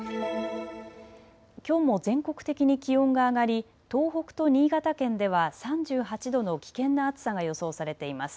きょうも全国的に気温が上がり東北と新潟県では３８度の危険な暑さが予想されています。